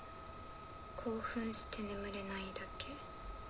興奮して眠れないだけ。